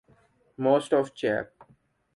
Most of Chap.